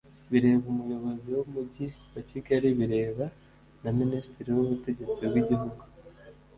bireba umuyobozi w’umujyi wa kigali bireba na minisitiri w’ubutegetsi bw’igihuu